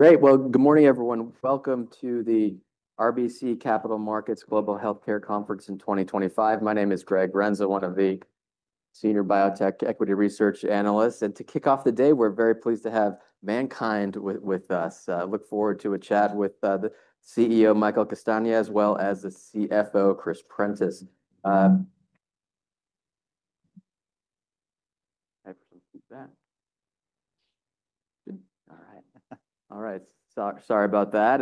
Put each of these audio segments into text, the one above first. Great. Good morning, everyone. Welcome to the RBC Capital Markets Global Healthcare Conference in 2025. My name is Greg Renza, one of the senior biotech equity research analysts. To kick off the day, we're very pleased to have MannKind with us. Look forward to a chat with the CEO, Michael Castagna, as well as the CFO, Chris Prentiss. All right. Sorry about that.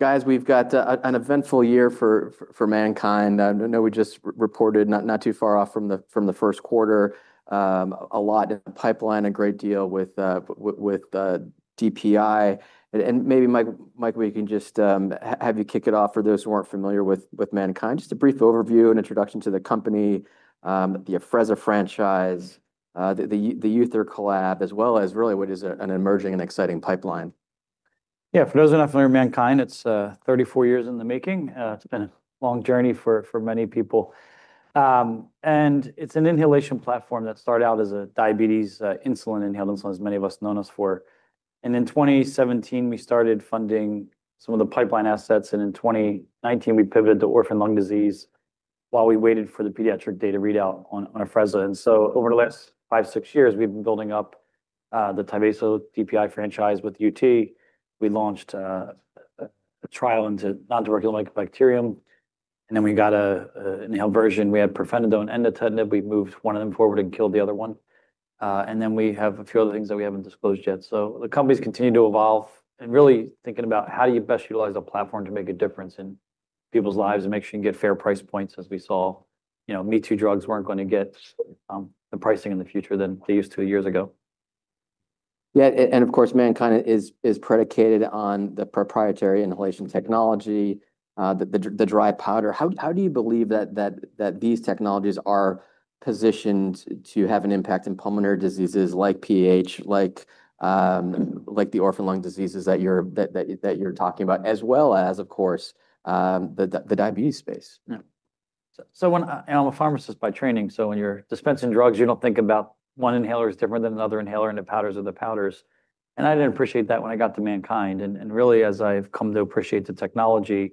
Guys, we've got an eventful year for MannKind. I know we just reported not too far off from the first quarter, a lot in the pipeline, a great deal with DPI. Maybe, Mike, we can just have you kick it off for those who aren't familiar with MannKind, just a brief overview and introduction to the company, the Afrezza franchise, the United Therapeutics collaboration, as well as really what is an emerging and exciting pipeline. Yeah, for those who are not familiar with MannKind, it's 34 years in the making. It's been a long journey for many people. It's an inhalation platform that started out as a diabetes insulin, inhaled insulin, as many of us know us for. In 2017, we started funding some of the pipeline assets. In 2019, we pivoted to orphan lung disease while we waited for the pediatric data readout on Afrezza. Over the last five, six years, we've been building up the TYVASO DPI franchise with UT. We launched a trial into nontuberculous mycobacterium. We got an inhaled version. We had pirfenidone and nintedanib. We moved one of them forward and killed the other one. We have a few other things that we haven't disclosed yet. The company's continued to evolve and really thinking about how do you best utilize the platform to make a difference in people's lives and make sure you get fair price points as we saw, you know, me too drugs weren't going to get the pricing in the future than they used to years ago. Yeah. And of course, MannKind is predicated on the proprietary inhalation technology, the dry powder. How do you believe that these technologies are positioned to have an impact in pulmonary diseases like PH, like the orphan lung diseases that you're talking about, as well as, of course, the diabetes space? Yeah. When I'm a pharmacist by training, when you're dispensing drugs, you do not think about one inhaler being different than another inhaler and the powders are the powders. I did not appreciate that when I got to MannKind. As I have come to appreciate the technology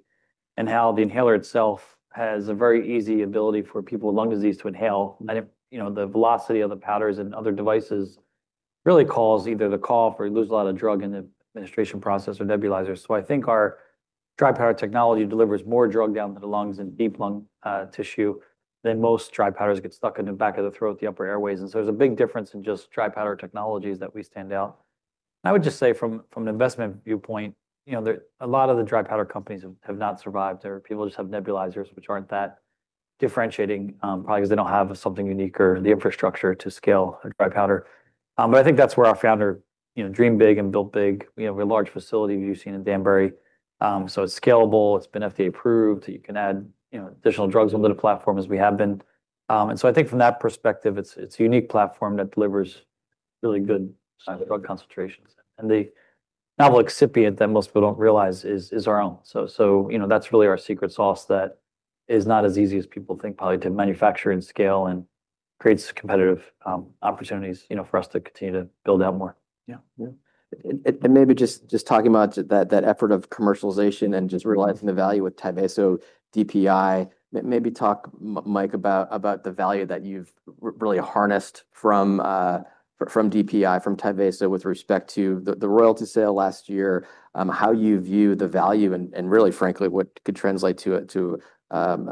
and how the inhaler itself has a very easy ability for people with lung disease to inhale, you know, the velocity of the powders in other devices really causes either the cough or you lose a lot of drug in the administration process or nebulizers. I think our dry powder technology delivers more drug down to the lungs and deep lung tissue than most dry powders, which get stuck in the back of the throat, the upper airways. There is a big difference in just dry powder technologies that we stand out. I would just say from an investment viewpoint, you know, a lot of the dry powder companies have not survived. People just have nebulizers, which are not that differentiating probably because they do not have something unique or the infrastructure to scale a dry powder. I think that is where our founder, you know, dream big and built big. We have a large facility we have seen in Danbury. It is scalable. It has been FDA approved. You can add additional drugs onto the platform as we have been. I think from that perspective, it is a unique platform that delivers really good drug concentrations. The novel excipient that most people do not realize is our own. That is really our secret sauce that is not as easy as people think probably to manufacture and scale and creates competitive opportunities for us to continue to build out more. Yeah. Maybe just talking about that effort of commercialization and just realizing the value with TYVASO DPI, maybe talk, Mike, about the value that you've really harnessed from DPI, from TYVASO with respect to the royalty sale last year, how you view the value and really, frankly, what could translate to an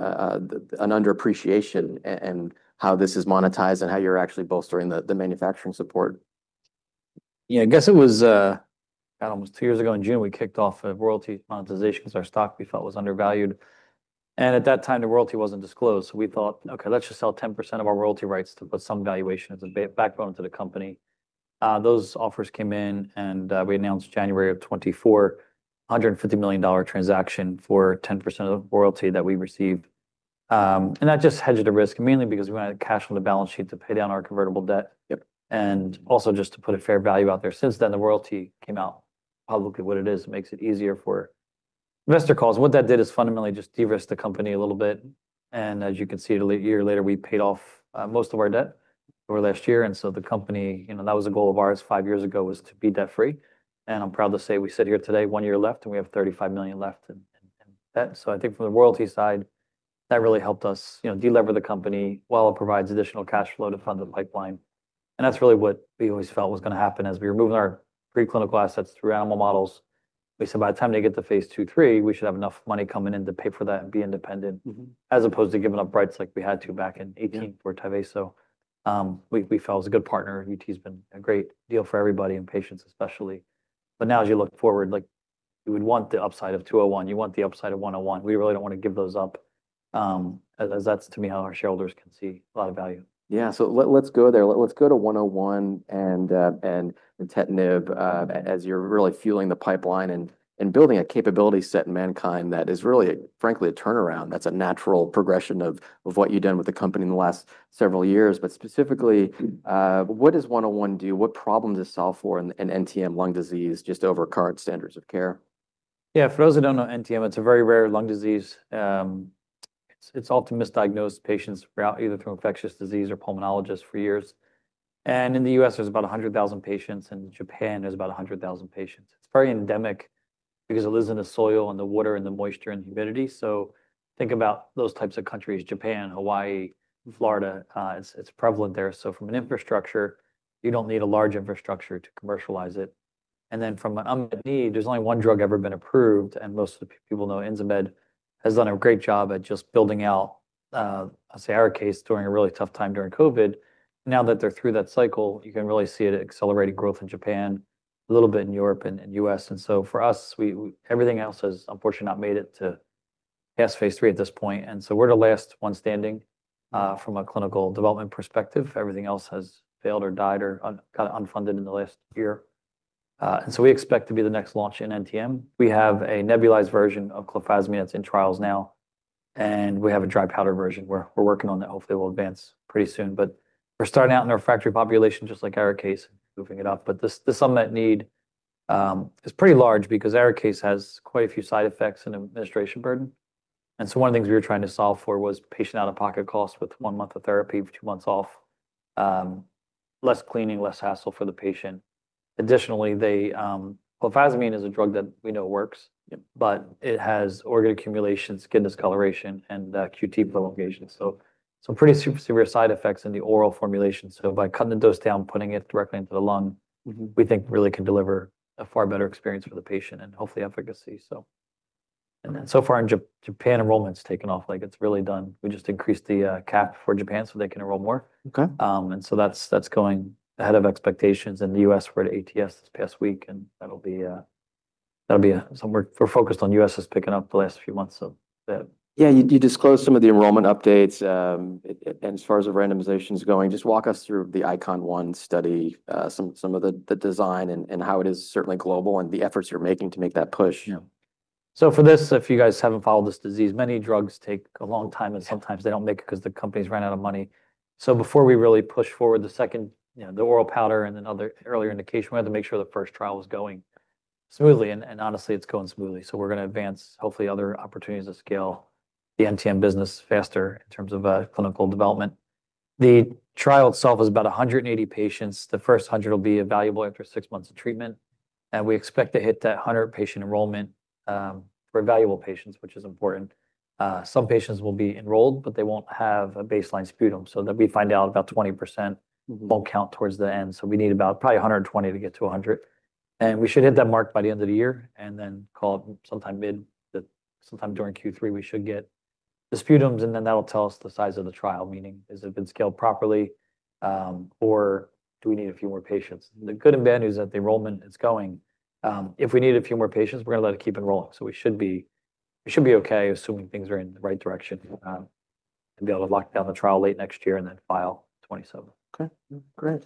underappreciation and how this is monetized and how you're actually bolstering the manufacturing support. Yeah, I guess it was about almost two years ago in June, we kicked off a royalty monetization because our stock we felt was undervalued. At that time, the royalty was not disclosed. We thought, okay, let's just sell 10% of our royalty rights to put some valuation as a backbone to the company. Those offers came in and we announced January of 2024, $150 million transaction for 10% of the royalty that we received. That just hedged the risk mainly because we wanted cash on the balance sheet to pay down our convertible debt and also just to put a fair value out there. Since then, the royalty came out publicly what it is. It makes it easier for investor calls. What that did is fundamentally just de-risked the company a little bit. As you can see, a year later, we paid off most of our debt over last year. The company, you know, that was a goal of ours five years ago was to be debt free. I'm proud to say we sit here today, one year left, and we have $35 million left in debt. I think from the royalty side, that really helped us deliver the company while it provides additional cash flow to fund the pipeline. That is really what we always felt was going to happen as we were moving our preclinical assets through animal models. We said by the time they get to phase two, three, we should have enough money coming in to pay for that and be independent as opposed to giving up rights like we had to back in 2018 for TYVASO. We felt it was a good partner. UT has been a great deal for everybody and patients especially. Now as you look forward, like you would want the upside of 201, you want the upside of 101. We really don't want to give those up as that's to me how our shareholders can see a lot of value. Yeah. Let's go there. Let's go to 101 and nintedanib as you're really fueling the pipeline and building a capability set in MannKind that is really, frankly, a turnaround. That's a natural progression of what you've done with the company in the last several years. Specifically, what does 101 do? What problems is it solved for in NTM lung disease just over current standards of care? Yeah, for those who do not know NTM, it is a very rare lung disease. It is often misdiagnosed, patients either through infectious disease or pulmonologists for years. In the U.S., there are about 100,000 patients. In Japan, there are about 100,000 patients. It is very endemic because it lives in the soil and the water and the moisture and humidity. Think about those types of countries, Japan, Hawaii, Florida, it is prevalent there. From an infrastructure, you do not need a large infrastructure to commercialize it. From an unmet need, there is only one drug ever been approved. Most of the people know Insmed has done a great job at just building out, I will say, ARIKAYCE during a really tough time during COVID. Now that they are through that cycle, you can really see it accelerating growth in Japan, a little bit in Europe and U.S. For us, everything else has unfortunately not made it to phase three at this point. We are the last one standing from a clinical development perspective. Everything else has failed or died or got unfunded in the last year. We expect to be the next launch in NTM. We have a nebulized version of clofazimine. It's in trials now. We have a dry powder version. We're working on that. Hopefully, we'll advance pretty soon. We're starting out in our factory population just like our case, moving it up. The summit need is pretty large because our case has quite a few side effects and administration burden. One of the things we were trying to solve for was patient out-of-pocket costs with one month of therapy, two months off, less cleaning, less hassle for the patient. Additionally, clofazimine is a drug that we know works, but it has organ accumulation, skin discoloration, and QT prolongation. Some pretty severe side effects in the oral formulation. By cutting the dose down, putting it directly into the lung, we think really can deliver a far better experience for the patient and hopefully efficacy. So far in Japan, enrollment's taken off. It's really done. We just increased the cap for Japan so they can enroll more. That's going ahead of expectations. In the U.S., we're at ATS this past week. That'll be somewhere we're focused on. U.S. is picking up the last few months of that. Yeah, you disclosed some of the enrollment updates. As far as the randomization is going, just walk us through the ICoN-1 study, some of the design and how it is certainly global and the efforts you're making to make that push. For this, if you guys haven't followed this disease, many drugs take a long time and sometimes they don't make it because the companies run out of money. Before we really push forward the second, the oral powder and then other earlier indication, we had to make sure the first trial was going smoothly. Honestly, it's going smoothly. We're going to advance hopefully other opportunities to scale the NTM business faster in terms of clinical development. The trial itself is about 180 patients. The first 100 will be evaluable after six months of treatment. We expect to hit that 100 patient enrollment for evaluable patients, which is important. Some patients will be enrolled, but they won't have a baseline sputum. We find out about 20% won't count towards the end. We need about probably 120 to get to 100. We should hit that mark by the end of the year and then call it sometime mid. Sometime during Q3, we should get the sputums, and then that'll tell us the size of the trial, meaning has it been scaled properly or do we need a few more patients? The good and bad news is that the enrollment is going. If we need a few more patients, we're going to let it keep enrolling. We should be okay assuming things are in the right direction and be able to lock down the trial late next year and then file 2027. Okay. Great.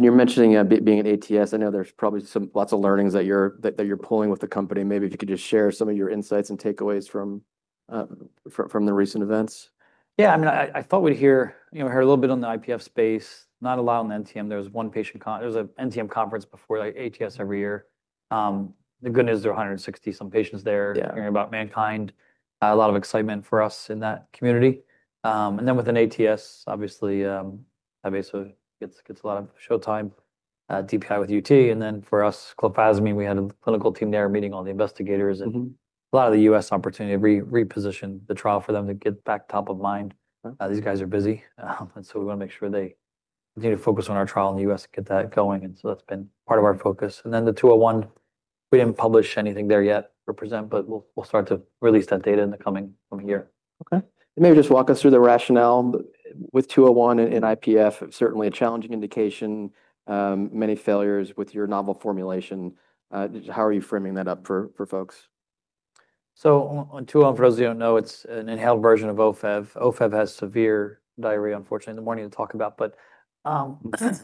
You're mentioning being at ATS. I know there's probably lots of learnings that you're pulling with the company. Maybe if you could just share some of your insights and takeaways from the recent events. Yeah. I mean, I thought we'd hear a little bit on the IPF space, not allowing the NTM. There was one patient conference. There was an NTM conference before ATS every year. The good news is there are 160 some patients there hearing about MannKind. A lot of excitement for us in that community. Within ATS, obviously, TYVASO gets a lot of showtime, DPI with UT. For us, clofazimine, we had a clinical team there meeting all the investigators and a lot of the U.S. opportunity to reposition the trial for them to get back top of mind. These guys are busy. We want to make sure they need to focus on our trial in the U.S., get that going. That has been part of our focus. The 201, we didn't publish anything there yet for present, but we'll start to release that data in the coming year. Okay. Maybe just walk us through the rationale with 201 and IPF, certainly a challenging indication, many failures with your novel formulation. How are you framing that up for folks? On 201, for those who don't know, it's an inhaled version of Ofev. Ofev has severe diarrhea, unfortunately, in the morning to talk about. But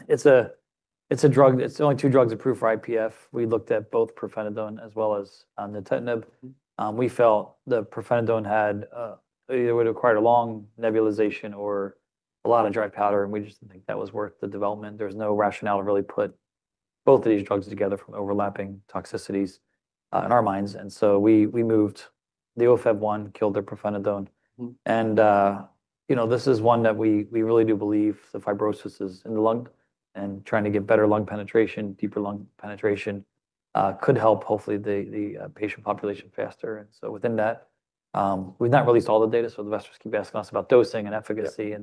it's a drug. It's the only two drugs approved for IPF. We looked at both pirfenidone as well as nintedanib. We felt the pirfenidone had either would require a long nebulization or a lot of dry powder. We just didn't think that was worth the development. There was no rationale to really put both of these drugs together from overlapping toxicities in our minds. We moved the Ofev one, killed the pirfenidone. You know this is one that we really do believe the fibrosis is in the lung and trying to get better lung penetration, deeper lung penetration could help hopefully the patient population faster. Within that, we've not released all the data. The veterinarians keep asking us about dosing and efficacy.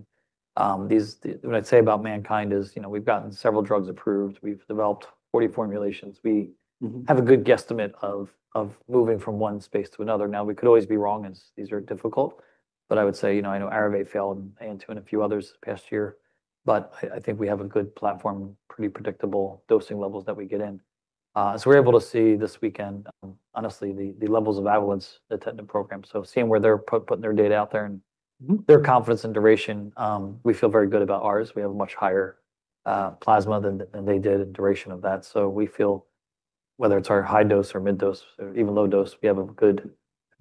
When I say about MannKind is we've gotten several drugs approved. We've developed 40 formulations. We have a good guesstimate of moving from one space to another. We could always be wrong as these are difficult. I would say, you know, I know Arava failed and two and a few others this past year. I think we have a good platform, pretty predictable dosing levels that we get in. We're able to see this weekend, honestly, the levels of avalance that nintedanib program. Seeing where they're putting their data out there and their confidence and duration, we feel very good about ours. We have a much higher plasma than they did in duration of that. We feel whether it's our high dose or mid dose or even low dose, we have a good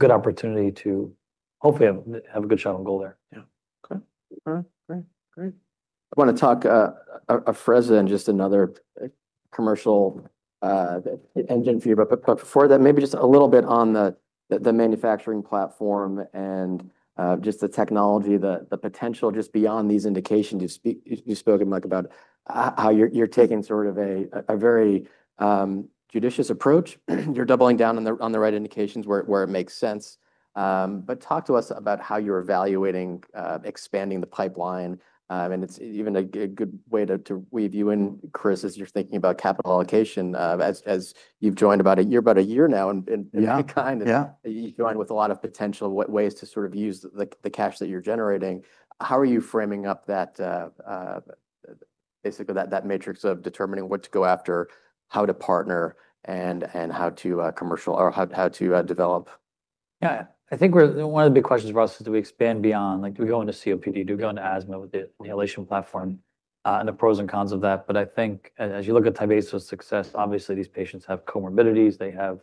opportunity to hopefully have a good shot on goal there. Yeah. Okay. All right. Great. I want to talk Afrezza, just another commercial engine for you. Before that, maybe just a little bit on the manufacturing platform and just the technology, the potential just beyond these indications. You've spoken, Mike, about how you're taking sort of a very judicious approach. You're doubling down on the right indications where it makes sense. Talk to us about how you're evaluating expanding the pipeline. It's even a good way to weave you in, Chris, as you're thinking about capital allocation. As you've joined about a year now in MannKind, you've joined with a lot of potential ways to sort of use the cash that you're generating. How are you framing up that, basically that matrix of determining what to go after, how to partner, and how to commercial or how to develop? Yeah. I think one of the big questions for us is do we expand beyond? Do we go into COPD? Do we go into asthma with the inhalation platform and the pros and cons of that? I think as you look at TYVASO's success, obviously these patients have comorbidities. They have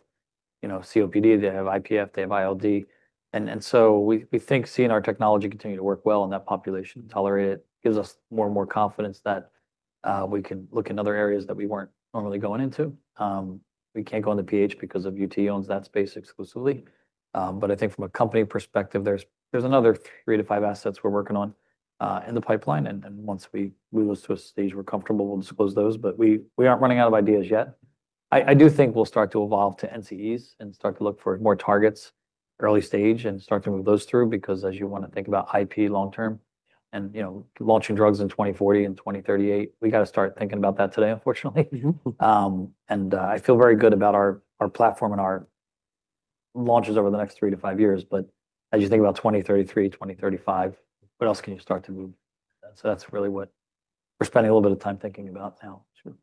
COPD, they have IPF, they have ILD. We think seeing our technology continue to work well in that population and tolerate it gives us more and more confidence that we can look in other areas that we were not normally going into. We cannot go into PH because UT owns that space exclusively. I think from a company perspective, there are another three to five assets we are working on in the pipeline. Once we move us to a stage we are comfortable, we will disclose those. We are not running out of ideas yet. I do think we'll start to evolve to NCEs and start to look for more targets early stage and start to move those through because as you want to think about IP long term and launching drugs in 2040 and 2038, we got to start thinking about that today, unfortunately. I feel very good about our platform and our launches over the next three to five years. As you think about 2033, 2035, what else can you start to move? That's really what we're spending a little bit of time thinking about now. Sure.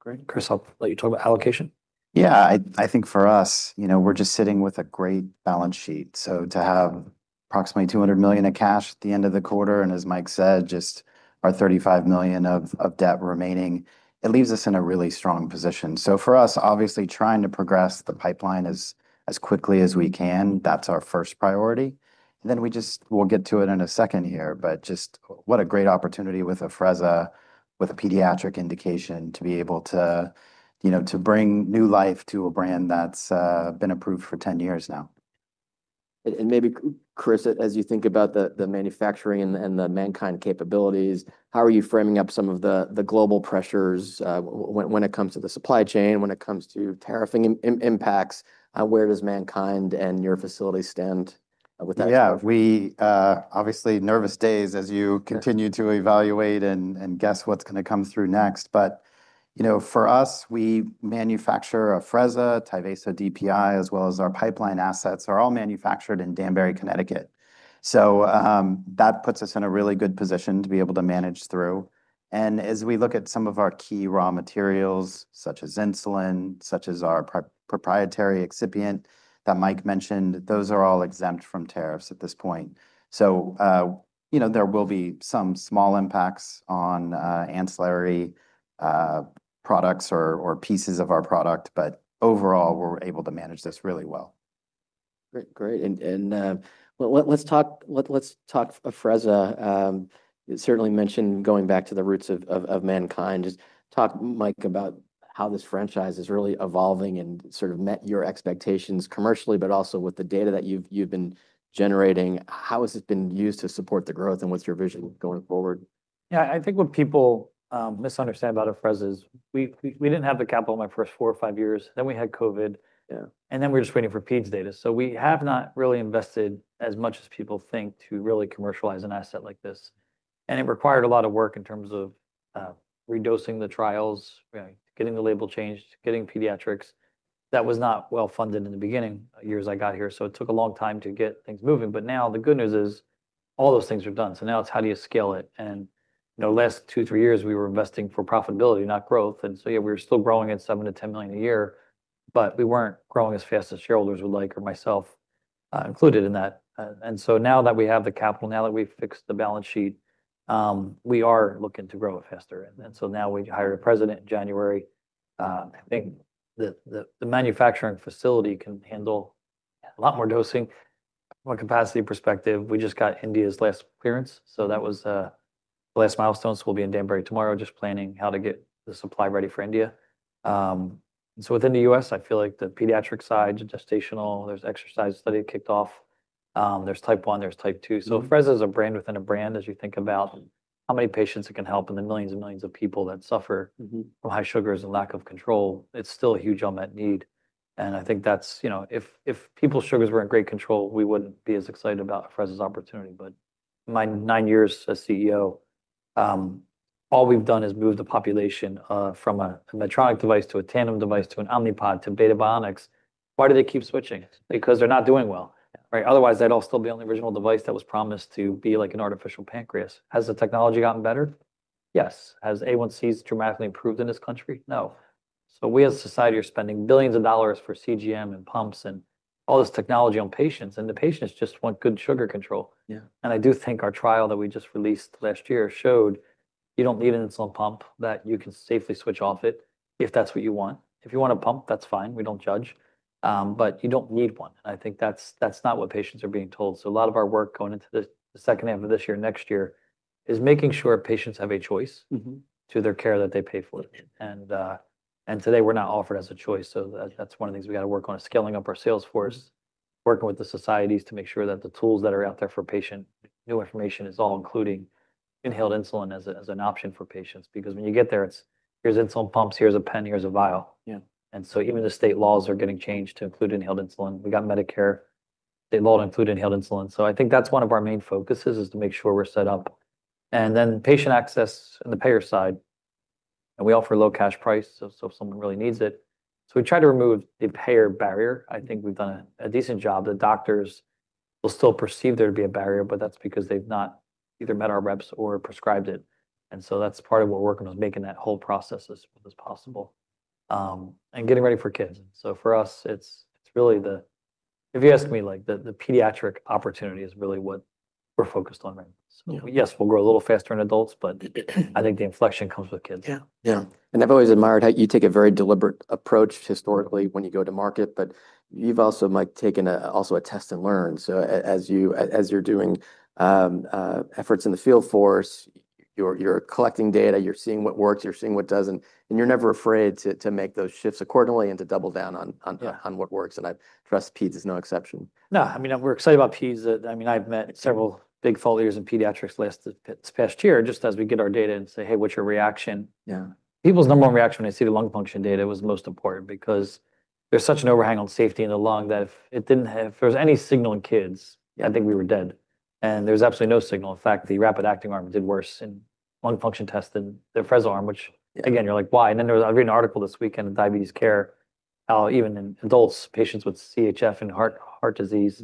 Great. Chris, I'll let you talk about allocation. Yeah. I think for us, you know we're just sitting with a great balance sheet. To have approximately $200 million of cash at the end of the quarter and as Mike said, just our $35 million of debt remaining, it leaves us in a really strong position. For us, obviously trying to progress the pipeline as quickly as we can, that's our first priority. We just, we'll get to it in a second here, but just what a great opportunity with Afrezza, with a pediatric indication to be able to bring new life to a brand that's been approved for 10 years now. Maybe, Chris, as you think about the manufacturing and the MannKind capabilities, how are you framing up some of the global pressures when it comes to the supply chain, when it comes to tariffing impacts? Where does MannKind and your facility stand with that? Yeah. Obviously, nervous days as you continue to evaluate and guess what's going to come through next. For us, we manufacture Afrezza, TYVASO DPI, as well as our pipeline assets are all manufactured in Danbury, Connecticut. That puts us in a really good position to be able to manage through. As we look at some of our key raw materials, such as insulin, such as our proprietary excipient that Mike mentioned, those are all exempt from tariffs at this point. There will be some small impacts on ancillary products or pieces of our product, but overall, we're able to manage this really well. Great. Great. Let's talk Afrezza. You certainly mentioned going back to the roots of MannKind. Just talk, Mike, about how this franchise is really evolving and sort of met your expectations commercially, but also with the data that you've been generating. How has it been used to support the growth and what's your vision going forward? Yeah. I think what people misunderstand about Afrezza is we didn't have the capital in my first four or five years. Then we had COVID. We were just waiting for peds data. We have not really invested as much as people think to really commercialize an asset like this. It required a lot of work in terms of redosing the trials, getting the label changed, getting pediatrics. That was not well funded in the beginning years I got here. It took a long time to get things moving. The good news is all those things are done. Now it's how do you scale it? In the last two, three years, we were investing for profitability, not growth. Yeah, we were still growing at $7 million-$10 million a year, but we were not growing as fast as shareholders would like or myself included in that. Now that we have the capital, now that we have fixed the balance sheet, we are looking to grow it faster. Now we hired a President in January. I think the manufacturing facility can handle a lot more dosing. From a capacity perspective, we just got India's last clearance. That was the last milestone. We will be in Danbury tomorrow, just planning how to get the supply ready for India. Within the U.S., I feel like the pediatric side, gestational, there is the exercise study kicked off. There is type one, there is type two. Afrezza is a brand within a brand as you think about how many patients it can help and the millions and millions of people that suffer from high sugars and lack of control. It's still a huge unmet need. If people's sugars were in great control, we wouldn't be as excited about Afrezza's opportunity. In my nine years as CEO, all we've done is move the population from a Medtronic device to a Tandem device to an Omnipod to Beta Bionics. Why do they keep switching? Because they're not doing well. Otherwise, that would still be the only original device that was promised to be like an artificial pancreas. Has the technology gotten better? Yes. Have A1Cs dramatically improved in this country? No. We as a society are spending billions of dollars for CGM and pumps and all this technology on patients. The patient just wants good sugar control. I do think our trial that we just released last year showed you do not need an insulin pump, that you can safely switch off if that is what you want. If you want a pump, that is fine. We do not judge. You do not need one. I think that is not what patients are being told. A lot of our work going into the second half of this year and next year is making sure patients have a choice to their care that they pay for. Today we are not offered as a choice. That is one of the things we have to work on, scaling up our sales force, working with the societies to make sure that the tools that are out there for patient new information are all including inhaled insulin as an option for patients. Because when you get there, it's here's insulin pumps, here's a pen, here's a vial. Even the state laws are getting changed to include inhaled insulin. We got Medicare, they've all included inhaled insulin. I think that's one of our main focuses is to make sure we're set up. Patient access and the payer side. We offer low cash price so if someone really needs it. We try to remove the payer barrier. I think we've done a decent job. The doctors will still perceive there to be a barrier, but that's because they've not either met our reps or prescribed it. That's part of what we're working on, is making that whole process as possible and getting ready for kids. For us, it's really the, if you ask me, the pediatric opportunity is really what we're focused on right now. Yes, we'll grow a little faster in adults, but I think the inflection comes with kids. Yeah. Yeah. I have always admired how you take a very deliberate approach historically when you go to market, but you have also taken a test and learn. As you are doing efforts in the field force, you are collecting data, you are seeing what works, you are seeing what does not, and you are never afraid to make those shifts accordingly and to double down on what works. I trust peds is no exception. No. I mean, we're excited about peds. I mean, I've met several big failures in pediatrics last past year just as we get our data and say, "Hey, what's your reaction?" People's number one reaction when they see the lung function data was the most important because there's such an overhang on safety in the lung that if there was any signal in kids, I think we were dead. And there was absolutely no signal. In fact, the rapid acting arm did worse in lung function tests than the Afrezza arm, which again, you're like, "Why?" And then I read an article this weekend in Diabetes Care, how even in adults, patients with CHF and heart disease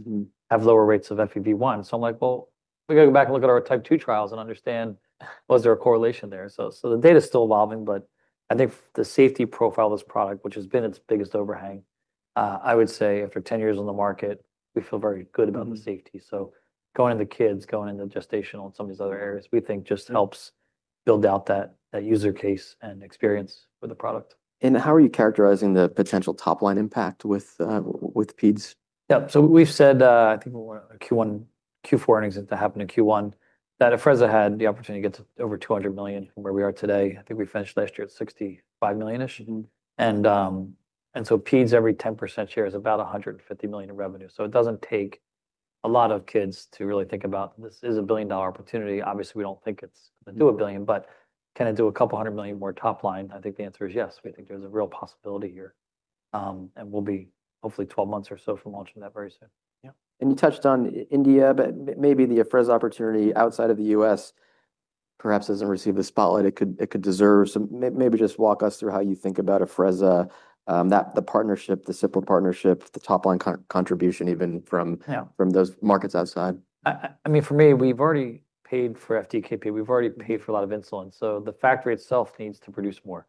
have lower rates of FEV1. I'm like, "Well, we got to go back and look at our type two trials and understand, was there a correlation there?" The data is still evolving, but I think the safety profile of this product, which has been its biggest overhang, I would say after 10 years on the market, we feel very good about the safety. Going into kids, going into gestational and some of these other areas, we think just helps build out that user case and experience with the product. How are you characterizing the potential top line impact with peds? Yeah. So we've said, I think we want a Q1, Q4 earnings to happen in Q1, that if Afrezza had the opportunity to get to over $200 million from where we are today, I think we finished last year at $65 million-ish. Peds, every 10% share is about $150 million in revenue. It does not take a lot of kids to really think about this as a billion-dollar opportunity. Obviously, we do not think it is going to do a billion, but can it do a couple hundred million more top line? I think the answer is yes. We think there is a real possibility here. We will be hopefully 12 months or so from launching that very soon. Yeah. You touched on India, but maybe the Afrezza opportunity outside of the U.S. perhaps doesn't receive the spotlight it could deserve. Maybe just walk us through how you think about Afrezza, the partnership, the Cipla partnership, the top line contribution even from those markets outside. I mean, for me, we've already paid for FDKP. We've already paid for a lot of insulin. The factory itself needs to produce more.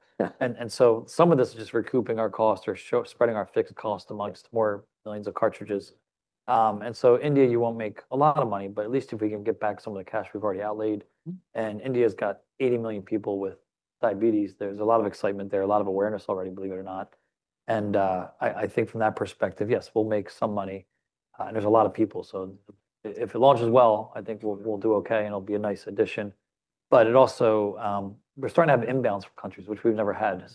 Some of this is just recouping our cost or spreading our fixed cost amongst more millions of cartridges. India, you won't make a lot of money, but at least if we can get back some of the cash we've already outlaid. India's got 80 million people with diabetes. There's a lot of excitement there, a lot of awareness already, believe it or not. I think from that perspective, yes, we'll make some money. There's a lot of people. If it launches well, I think we'll do okay and it'll be a nice addition. It also, we're starting to have an imbalance for countries, which we've never had.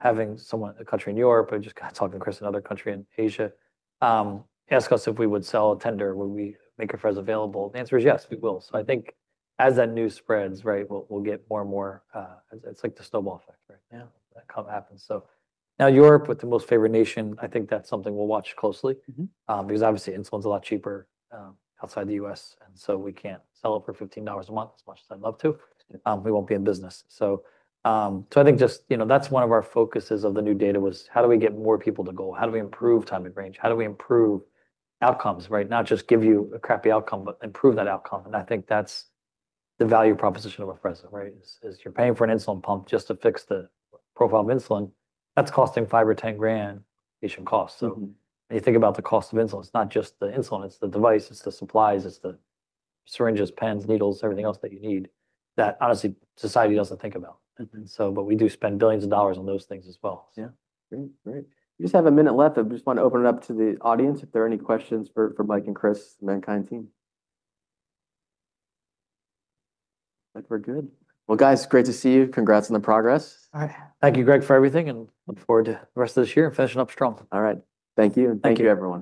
Having someone, a country in Europe, I just got talking to Chris in another country in Asia, ask us if we would sell a tender, would we make Afrezza available? The answer is yes, we will. I think as that news spreads, right, we'll get more and more. It's like the snowball effect, right? Yeah, that happens. Now Europe, with the most favorite nation, I think that's something we'll watch closely because obviously insulin's a lot cheaper outside the U.S. We can't sell it for $15 a month as much as I'd love to. We won't be in business. I think just that's one of our focuses of the new data was how do we get more people to go? How do we improve time in range? How do we improve outcomes, right? Not just give you a crappy outcome, but improve that outcome. I think that's the value proposition of Afrezza, right? You're paying for an insulin pump just to fix the profile of insulin. That's costing $5,000 or $10,000 patient costs. When you think about the cost of insulin, it's not just the insulin, it's the device, it's the supplies, it's the syringes, pens, needles, everything else that you need that honestly society doesn't think about. We do spend billions of dollars on those things as well. Yeah. Great. Great. We just have a minute left. I just want to open it up to the audience if there are any questions for Mike and Chris, the MannKind team. We're good. Guys, great to see you. Congrats on the progress. All right. Thank you, Greg, for everything and look forward to the rest of this year and finishing up strong. All right. Thank you. Thank you, everyone.